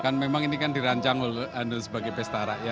kan memang ini kan dirancang sebagai pesta rakyat